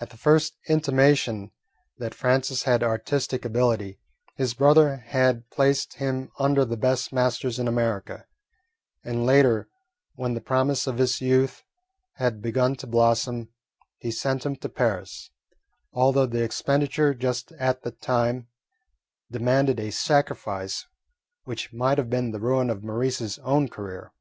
At the first intimation that Francis had artistic ability, his brother had placed him under the best masters in America, and later, when the promise of his youth had begun to blossom, he sent him to Paris, although the expenditure just at that time demanded a sacrifice which might have been the ruin of Maurice's own career.